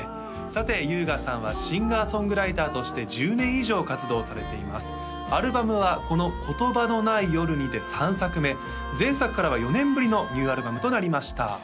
さて優河さんはシンガー・ソングライターとして１０年以上活動されていますアルバムはこの「言葉のない夜に」で３作目前作からは４年ぶりのニューアルバムとなりました